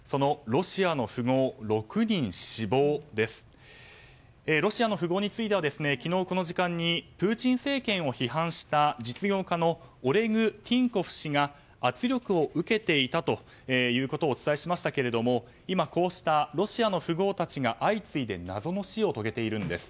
ロシアの富豪については昨日この時間にプーチン政権を批判した実業家のオレグ・ティンコフ氏が圧力を受けていたとお伝えしましたけれども今、こうしたロシアの富豪たちが相次いで謎の死を遂げているんです。